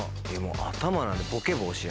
頭なんで。